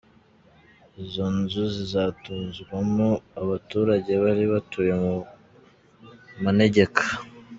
Izo nzu zizatuzwamo abaturage bari batuye mu manegeka.